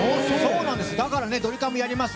だからドリカムやります。